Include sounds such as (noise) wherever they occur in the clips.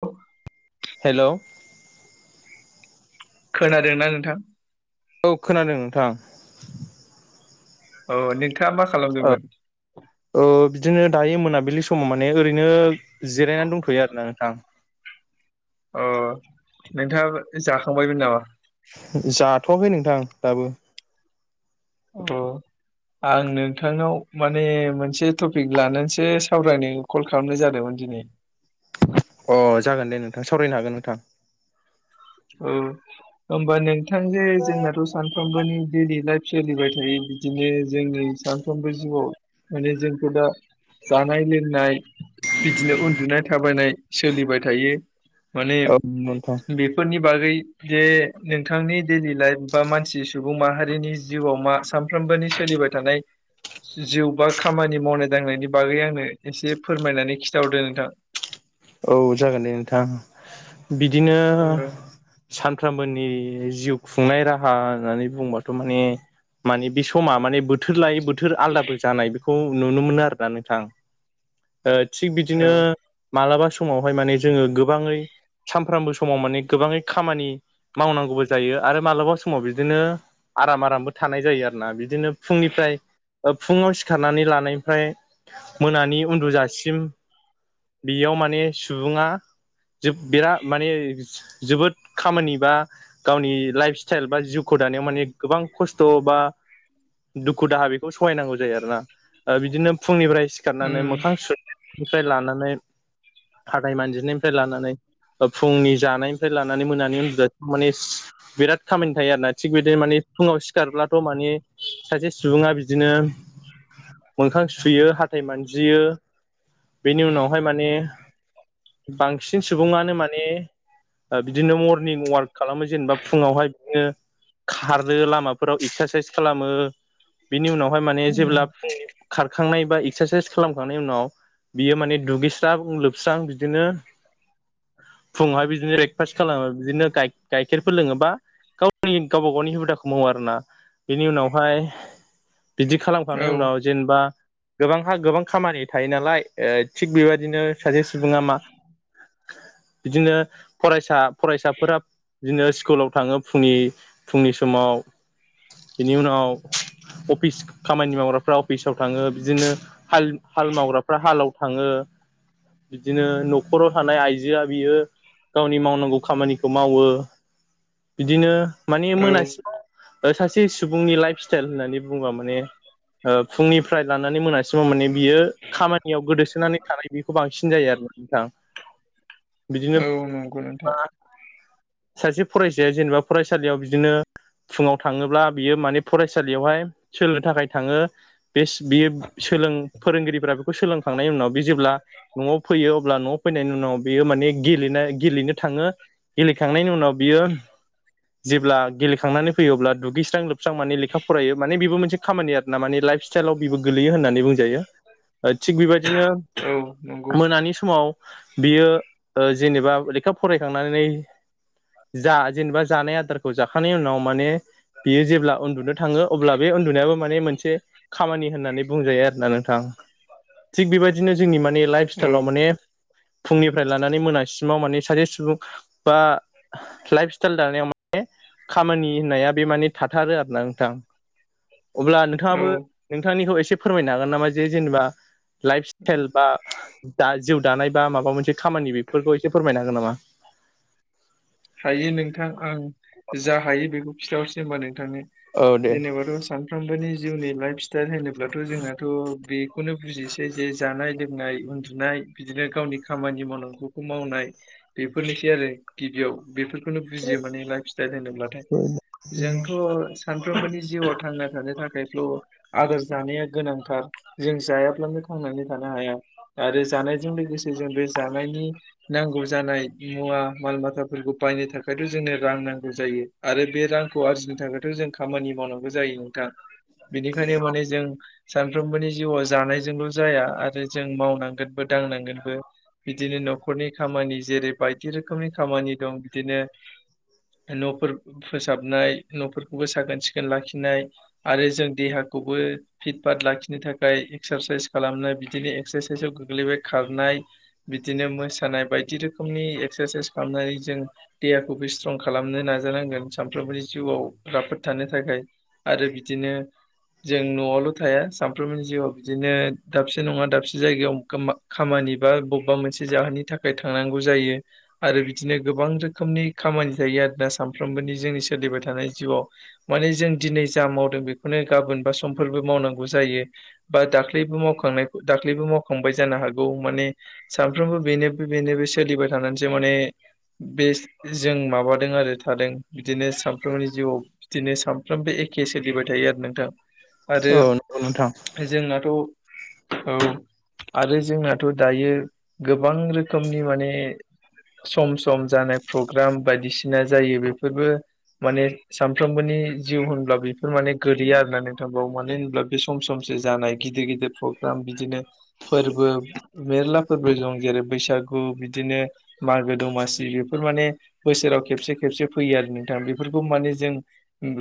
औ हेलौ खोनादोंना नोंथां? औ खोनादों नोंथां। औ नोंथाङा मा औ खालामदोंमोन? ओ बिदिनो दायो मोनाबिलि समाव माने ओरैनो जिरायनानै दंथ'यो आरोना नोंथां। अ नोंथाङा जाखांबायमोन नामा? जाथवाखै नोंथां दाबो। ओ। आं नोंथांनाव माने मोनसे टपिक लानानैसो सावरायनो कल खालामनाय जादोंमोन दिनै अ जागोन दे नोंथां सावरायनो हागोन नोंथां। औ होमबा नोंथां जे जोंनाथ' सानफ्रोमबोनि डेलि लाइफ सोलिबाय थायो बिदिनो जोंनि सानफ्रोमबो जिउआव माने जोंथ' दा जानाय लोंनाय बिदिनो उन्दुनाय थाबायनाय सोलिबाय थायो। माने औ (unintelligible) बेफोरनि बागै जे नोंथांनि डेलि लाइफ बा मानसि सुबुं माहारिनि जिउआव मा सानफ्रोम मबोनि सोलिबाय थानाय जिउ बा खामानि मावनाय दांनायनि बागै आंनो एसे फोरमायनानै खिथाहरदो नोंथां। (inaudible) औ जागोन दे नोंथां, बिदिनो औ सान फ्रामबोनि जिउ खुंनाय राहा होननानै बुंबाथ' माने माने बे समा माने बोथोर लायै बोथोर आलदाबो जानाय बेखौ नुनो मोनो आरोना नोंथां। (inaudible) ओ थिग औ बिदिनो मालाबा समावहाय माने जोङो गोबाङै सानफ्रामबो समाव माने गोबाङै खामानि मावनांगौबो जायो आरो मालाबा समाव बिदिनो आराम आरामबो थानाय जायो आरोना। बिदिनो फुंनिफ्राय ओ फुङाव सिखारनानै लानायनिफ्राय मोनानि उन्दुजासिम बेयाव माने सुबुङा जोब बिराद माने जोबोद खामानि बा गावनि लाइफ स्टाइल बा जिउखौ दानायाव माने गोबां खस्थ' बा दुखु दाहा बेखौ सहायनांगौ जायो आरो ना। ओ बिदिनो फुंनिफ्राय औ सिखारनानै मोखां सु-सुनायनिफ्राय लानानै हाथाय मानजिनायनिफ्राय लानानै ओ फुंनि जानायनिफ्राय लानानै मोनानि उन्दुजासिम माने बिराद खामानि थायो आरना थिग बिदिनो माने फुङाव सिखारब्लाथ' माने सासे सुबुङा बिदिनो मोखां सुयो हाथाय मानजियो बेनि उनावहाय माने बांसिन सुबुङानो माने बिदिनो मरनिं वार्क खालामो जेनेबा फुङावहाय बिदिनो खारो लामाफोराव एक्सारसाइस खालामो बेनि उनावहाय माने जेब्ला खारखांनाय बा एक्सारसाइस खालामखांनायनि उनाव बियो माने दुगैस्रां लोब स्रां बिदिनो फुङावहाय बिदिनो ब्रेकफास्ट खालामो बिदिनो गाइ-गाइखेरफोर लोङो बा गावनि गावबा गावनि हुदाखौ मावो आरो ना। बेनि उनावहाय बिदि खालामखांनायनि उनाव जेनेबा गोबांहा गोबां खामानि थायो नालाय ओ थिग बेबायदिनो सासे सुबुङा मा बिदिनो फरायसा फरायसाफोरा बिदिनो स्कुलाव थाङो फुंनि फुंनि समाव बिनि उनाव अफिस खामानि मावग्राफोरा अफिसाव थाङो, बिदिनो हाल हाल मावग्राफ्रा हालाव थाङो। बिदिनो न'खराव थानाय आइजोआ बियो गावनि मावनांगौ खामानिखौ मावो बिदिनो माने औ मोनासिम ओ सासे सुबुंनि लाइफ स्टाइल होननानै बुङोबा माने ओ फुंनिफ्राय लानानै मोनासिमाव माने बियो खामानियाव गोदोसोनानै थानाय बेखौ बांसिन जायो आरो नोंथां। बिदिनो औ नंगौ नोंथां सासे फरायसाया जेनेबा फरायसालियाव बिदिनो फुङाव थाङोब्ला बियो माने फरायसालियावहाय सोलोंनो थाखाय थाङो बेस बियो सोलों फोरोंगिरिफोरा बेखौ सोलोंखांनायनि उनाव बे जेब्ला न'आव फैयो अब्ला न'आव फैनायनि उनाव बेयो माने गेले गेलेनो थाङो गेले खांनायनि उनाव बियो जेब्ला गेलेखांनानै फैयो अब्ला दुगैस्रां लोब स्रां माने लेखा फरायो माने बेबो मोनसे खामानि आरो ना माने लाइफ स्टाइलाव बेबो गोलैयो होननानै बुंजायो थिग बेबायदिनो औ नंगौ मोनानि समाव बियो जेनेबा लेखा फरायखांनानै जा जेनेबा जानाय आदारखौ जाखांनायनि उनाव माने बियो जेब्ला उन्दुनो थाङो अब्ला बे उन्दुनायाबो माने मोनसे खामानि होननानै बुंजायो आरोना नोंथां (inaudible) थिग बेबायदिनो जोंनि मा ने लाइफ औ स्टाइलाव माने फुंनिफ्राय लानानै मोनासिमाव माने सासे सुबुं बा लाइफ स्टाइल दानायाव माने खामानि होननाया बे माने थाथारो आरोना नोंथां अब्ला नोंथाङाबो औ नोंथांनिखौ एसे फोरमायनो हागोन नामा जे जेनेबा लाइफ स्टाइल बा दा जिउ दानाय बा माबा मोनसे खामानि बेफोरखौ एसे फोरमायनो हागोन नामा हायो (unintelligible) नोंथांनि औ दे जेनेबाथ' सानफ्रोमबोनि जिउनि लाइफ स्टाइल होनोब्लाथ' जोंनाथ' बेखौनो बुजिसै जे जानाय लोंनाय उन्दुनाय बिदिनो गावनि खामानि मावनांगौखौ मावनाय बेफोरनिसै आरो गिबियाव बेफोरखौनो बुजियो माने लाइफ स्टाइल होनोब्लाथाय जोंथ' सान सानफ्रोमबोनि जिउआव थांना थानो थाखायथ' आदोर जानाया गोनांथार जों जायाब्लानो थां नानै थानो हाया आरो जानायजों लोगोसे जों बे जानायनि नांगौ जानाय मुवा माल माथा फोरखौ बायनो थाखायथ' जोंनो रां नांगौ जायो आरो बे रांखौ आरजिनो थाखायथ' जों खामानि मावनांगौ जायो नोंथां बिनिखायनो माने जों सानफ्रोमबोनि जिउआ जानायजोंल' ज आरो जों मावनांगोन दांनांगोनबो बिदिनो न'खरनि खामानि जेरै बायदि रोखोमनि खामानि दं बिदिनो न'फोर फोसाबनाय न'फोरखौबो साखोन सिखोन लाखिनाय आरो जों देहा खौबो फिट फाट लाखिनो थाखाय एक्सारसाइस खालामनाय बिदिनो एक्सारसाइसाव गोग्लैबाय खारनाय बिदिनो मोसानाय बायदि रोखोमनि एक्सारसाइस खालामनाय जों देहाखौबो स्ट्रं खालामनो नाजानांगोन सानफ्रोमबोनि जिउआव राफोद थानो थाखाय आरो बिदिनो जों न'आवल' थाया सानफ्रोमबोनि जिउआव बिदिनो दाबसे नङा दाबसे जायगायाव खामानि बा बबेबा मोनसे जाहोननि थाखाय थांनांगौ जायो आरो बिदिनो गोबां रोखोमनि खामानि जायो आरोना सानफ्रोमबोनि जोंनि सोलिबाय थानाय जिउआव माने जों दिनै जा मावदों बेखौनो गाबोन बा समफोरबो मावनांगौ जायो बा दाख्लैबो मावखांनायखौ दाख्लैबो मावखांबाय जानो हागौ माने सानफ्रोमबो बेनो बेनो बे सोलिबाय थानानैसो माने बे जों माबादों आरो थादों बिदिनो सानफ्रोमबोनि जिउआव बिदिनो सानफ्रोमबो एखे सोलिबाय थायो आरो नोंथां आरो औ नंगौ नोंथां जोंनाथ' औ आरो जोंनाथ' दायो गोबां रोखोमनि माने सम-सम सम जानाय प्रग्राम बायदिसिना जायो बेफोरबो माने सानफ्रोमबोनि जिउ होनब्ला बेफोर माने गोलैयो आरोना नोंथां बेवबो मानो होब्ला बे सम सम जानाय गिदिर गिदिर प्रग्राम बिदिनो फोरबो मेरला फोरबो दं जेरै बैसागो बिदिनो मागो दमासि बेफोर माने बोसोराव खेबसे खेबसे फैयो आरो नोंथां बेफोरखौ माने जों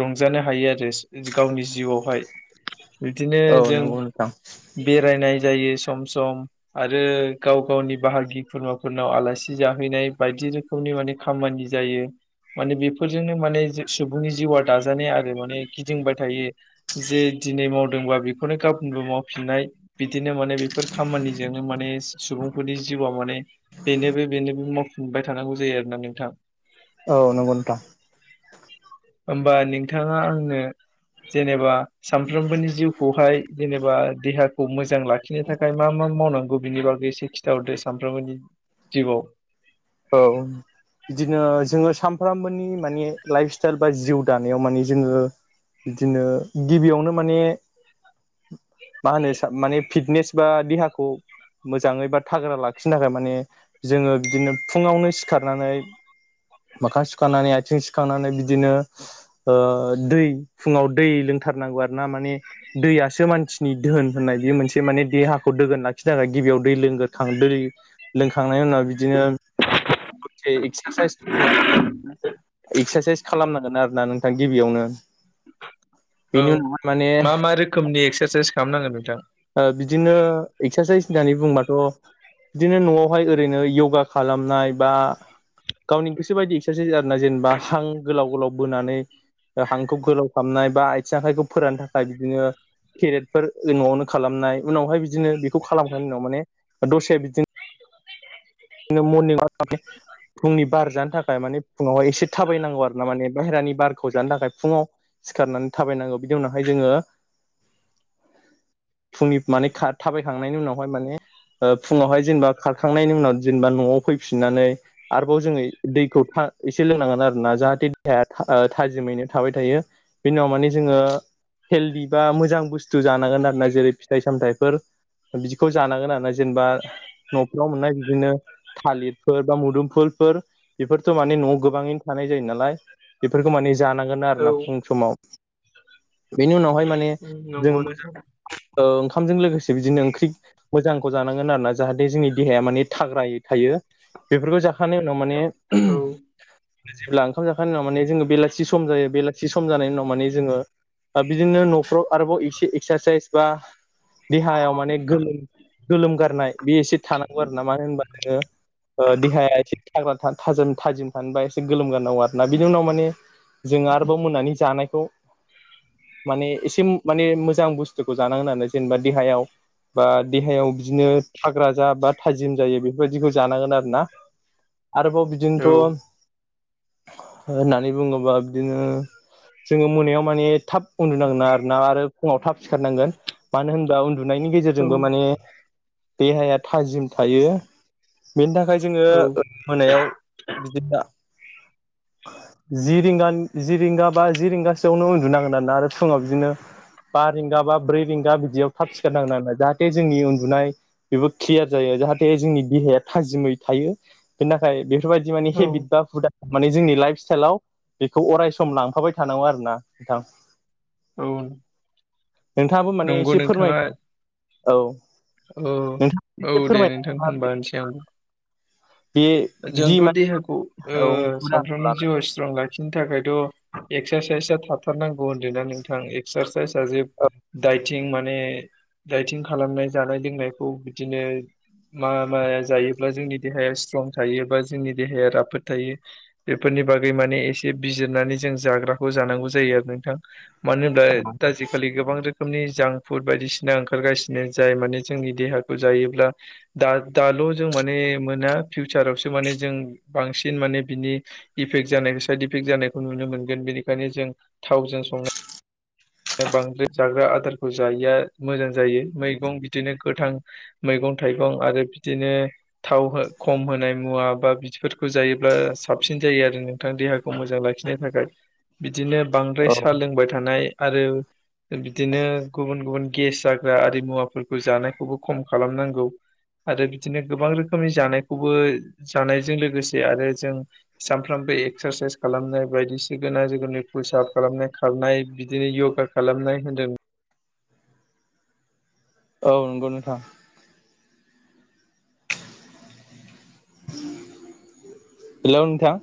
रंजानो हायो। गावनि जिउआवहाय बिदिनो औ जों नंगौ नोंथां बेरायनाय जायो सम सम आरो गाव गावनि बाहागि खुर्माफोरनाव आलासि जाहैनाय। बायदि रोखोमनि माने खामानि जायो। माने बेफोरजोंनो माने सुबुंनि जिउआ दाजानाय आरो माने गिदिंबाय थायो जे दिनै मावदोंबा बेखौनो गाबोनबो मावफिननाय बिदिनो माने बेफोर खामानिजोंनो माने सु-सु सुबुंफोरनि जिउआ माने बेनोबो बेनोबो मावफुंबाय थानांगौ जायो आरोना नोंथां। औ नंगौ नोंथां। होमबा नोंथाङा आंनो जेनेबा सानफ्रोमबोनि जिउ खौहाय जेनेबा देहाखौ मोजां लाखिनो थाखाय मा मा मावनांगौ बिनि बागै एसे खिथाहरदो साम नांगौनि जिउआव। औ बिदिनो जोङो सानफ्रामबोनि माने लाइफ स्टाइल बा जिउ दानायाव माने जोङो। बिदिनो गिबियावनो माने मा होनो माने फिटनेस बा देहाखौ मोजाङै बा थाग्रा लाखिनो थाखाय माने जोङो बिदिनो। फुङावनो सिखारनानै। मोखां सुखांनानै आथिं सुखांनानै बिदिनो ओ-दै फुङाव दै लों थारनांगौ आरो ना माने दैयासो मानसिनि दधोन होननाय बे मोनसे माने देहाखौ दोगोन लाखिनो थाखाय गि बियाव दै लोंगां दै लोंखांनायनि उनाव बिदिनो। से एक्सारसाइस नआव एक्सारसाइस खालामनांगोन आरो। ना नोंथां गिबियावनो। औ बेनि उनावहाय माने मा मा रोखोमनि एक्सारसाइस खालामनांगोन नोंथां? ओ-बिदिनो एक्सारसाइस होननानै बुंङोबाथ थ बिदिनो नआवहाय ओरैनो यगा खालामनाय बा गावनि गोसो बायदि एक्सारसाइस आर ना जेनेबा हां गोलाव गोलाव बोनानै। हांखौ गोलाव खालामनाय बा आथिं आखाइखौ फोरानानो थाखाय बिदिनो। केरेटफोर ओ-नआवनो खालामनाय उनावहाय बिदिनो। खौ खालामखांनायनि उनाव माने दसे बिदिनो मरनिं अवाग। (unintelligible) फुंनिबार जानो थाखाय मान फुङाव एसे थाबायनांगौ आरो ना मान बाहेरानि बारखौ जानो थाखाय फुङाव सिखारनानै थाब बायनांगौ बिनि उनावहाय जोङो। (inaudible) फुंनि माने थाबायखांनायनि उनावहाय माने। फुङावहाय जेनेबा खारखांनायनि उनाव जेनेबा नआव फैफिननानै आरोबाव जोङो दैखौ फा-एसे लोंनांगोन आरोना जाहाथे देहाया था-थाजिम मैनो थाबाय थायो बेनि उनाव माने जोङो। हेलदि बा मोजां बुस्थु जानांगोन आरो ना जेरै फिथाइ सामथाइफोर बिदिखौ जानांगोन आरो ना। जेनेबा नफ्राव मोननाय बिदिनो। थालिरफोर बा मुदुमफुलफोर बेफोरथ माने नआव गोबाङैनो थानाय जायो नालाय। बेफोरखौ माने जानांगोन औ आरोना फुं समाव। बेनि उनावहाय माने जोंङो नंगौ मोजां। नोंथां ओंखामजों लोगोसे बिदिनो ओंख्रि मोजांखौ जानांगोन आरो ना जाहाथे जोंनि देहाया माने थाग्रायै। थायो बेफोरखौ जाखांनायनि उनाव माने उम औ जेब्ला ओंखाम जाखानायनायनि उनाव माने जोङो बेलाथि सम जायो बेलाथि सम जानाय उनाव माने जोङो। ओ-बिदिनो नफ्राव आरोबाव एसे एक्सारसाइस बा देहायाव माने गोलोम गोलोम गारनाय बे एसे थानांगौ आरो ना मानो होनबा नोङो‌ ओ-देहाया एसे थाग्रा थाजम थाजिम थानोबा एसे गोलोमगानांगौ आरोना बिनि उनाव माने जोङो आरोबाव मोनानि जानायखौ। माने एसे उम-माने मोजां बुस्थुखौ जानांगोन आरो जेनेबा देहायाव बा देहायाव बिदिनो थाग्रा जा बा थाजिम जायो बे। बेबायदिखौ जानांगोन आरोना आरोबाव औ बिदिनोथ। होननानै बुङोबा बिदिनो। जोङो मोनायाव माने थाब उन्दुनांगोन आरोना आरो फुङाव थाब सिखारनांगोन मानो होनबा उन दुनायनि गेजेरजोंबो माने देहाया थाजिम थायो। बेनि थाखाय ओ जोङो औ मोनायाव बिदिनो (inaudible) जि रिंगानि जि रिंगा बा जि रिंगासोआवनो उन्दुुनांगोन आरोना आरो फुङाव बिदिनो बा रिंगा बा ब्रै रिंगा बि दियाव थाब सिखारनांगोन आरोना जाहाथे जोंनि उन्दुनाय बेबो क्लियार जायो जाहाथे जोंनि देहाया थाजिमै थायो बेनि थाखाय बेफोरबायदि माने औ हेबिट बा हुदा माने जोंनि लाइफ स्टाइलाव बेखौ अराय सम लांफाबाय थानांगौ आरो ना नोंथां औ नोंथाङाबो माने नंगौ एसे फोरमाय नोंथाङा औ औ नोंथाङा औ एसे दे फोरमाय नोंथां होनबानोसै आं बे बिदि जोंथ' देहाखौ ओ माने औ हुदा सानफ्रोमनि लानानै जिउआ स्ट्रं ला खिनो थाखायथ' एक्सारसाइसआ थाथारनांगौ होनदों ना नोंथां एक्सारसाइजा जे औ दाइथिं माने दाइथिं खालामनाय जानाय लोंनायखौ बिदिनो मा माया जायोब्ला जोंनि देहाया स्ट्रं थायो बा जोंनि देहाया राफोद थायो बेफोरनि बागै माने एसे बिजिरनानै जों जाग्राखौ जानांगौ जायो आरोना नोंथां मानो होनब्ला आजि खालि गोबां रो खोमनि जांफुड बायदिसिना ओंखारगासिनो जाय माने जोंनि देहाखौ जायोब्ला दा दा ल' जों माने मोना फिउचार आवसो माने जों बांसिन माने बिनि इफेक्ट जानाय साइद इफेक्ट जानायखौ नुनो मोनगोन रिकानि जों थावजों संनाय बांद्राय जाग्रा आदारखौ जायिया मोजां जायो मैगं बिदिनो गोथां मैगं थाइ गं आरो बिदिनो थाव हो खम होनाय मुवा बा बिदिफोरखौ जायोब्ला साबसिन जायो आरो नोंथां देहाखौ मोजां लाखिनो थाखाय बिदिनो बांद्राय औ साहा लोंबाय थानाय आरो बिदिनो गुबुन गुबुन गेस जाग्रा आरि मुवाफोरखौ जानायखौबो खम खालामनांगौ आरो बिदिनो गोबां रोखोमनि जानाय खौबो जानायजों लोगोसे आरो जों सानफ्रामबो एक्सारसाइस खालामनाय बायदिसिगोन ना जिखुनु फुस आप खालामनाय खारनाय बिदिनो युगा खालामनाय होनदों औ नंगौ नोंथां हेलौ नोंथां